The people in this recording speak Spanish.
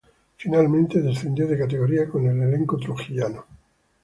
Finalmente descendió de categoría con el elenco trujillano.